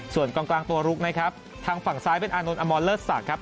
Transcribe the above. ส่วนกองกลางตัวลุกนะครับทางฝั่งซ้ายเป็นอานนท์อมรเลิศศักดิ์ครับ